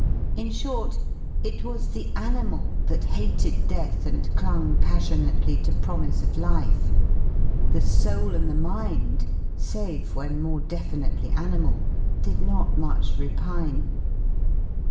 In short, it was *' the animal that hated death and dung passionately to pro mise of life; the soul and the mind, save when more defi nitely animal, did not much repine.